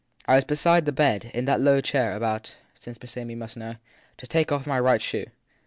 I was beside the bed in that low chair ; about since Miss Amy must know to take off my right shoe.